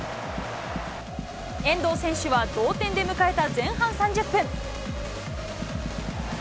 遠藤選手は、同点で迎えた前半３０分。